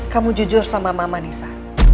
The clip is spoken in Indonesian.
kamu jujur sama mama nisa